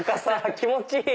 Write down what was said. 気持ちいい！